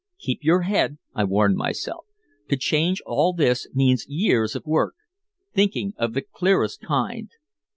"Keep your head," I warned myself. "To change all this means years of work thinking of the clearest kind.